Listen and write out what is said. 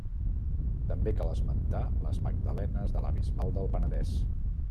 També cal esmentar les magdalenes de la Bisbal del Penedès.